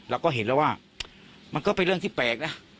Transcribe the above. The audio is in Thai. เราก็เห็นแล้วว่ามันก็เป็นเรื่องที่แปลกนะ